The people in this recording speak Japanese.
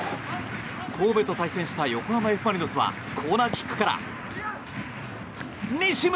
神戸と対戦した横浜Ｆ・マリノスはコーナーキックから。